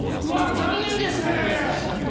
うわ残念ですね。